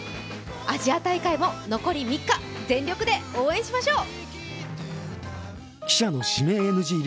アジア大会も残り３日、全力で応援しましょう！